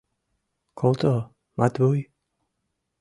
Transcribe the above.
— Колто, Матвуй?